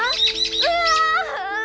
うわ！